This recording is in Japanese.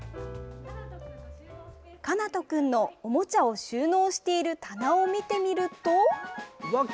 奏人君のおもちゃを収納している棚を見てみると。